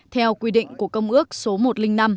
theo quy định của công ước số một trăm linh năm